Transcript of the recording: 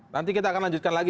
nanti kita akan lanjutkan lagi